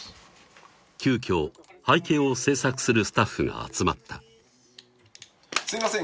急きょ背景を制作するスタッフが集まったすいません